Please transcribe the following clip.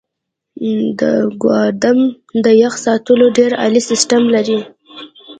دا ګودام د يخ ساتلو ډیر عالي سیستم لري.